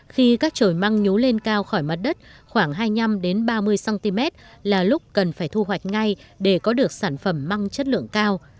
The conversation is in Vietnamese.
khi các trồi măng nhú lên cao khỏi mặt đất khoảng hai mươi năm ba mươi cm là lúc cần phải thu hoạch ngay để có được sản phẩm măng chất lượng cao